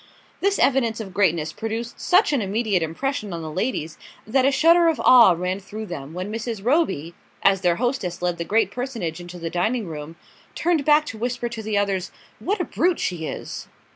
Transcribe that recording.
This evidence of greatness produced such an immediate impression on the ladies that a shudder of awe ran through them when Mrs. Roby, as their hostess led the great personage into the dining room, turned back to whisper to the others: "What a brute she is!"